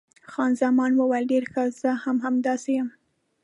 خان زمان وویل، ډېر ښه، زه هم همداسې یم.